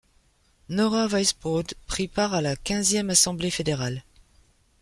Nora Weisbrod prit part à la quinzième Assemblée fédérale.